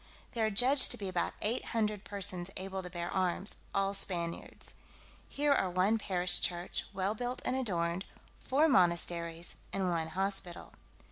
There are judged to be about eight hundred persons able to bear arms, all Spaniards. Here are one parish church, well built and adorned, four monasteries, and one hospital.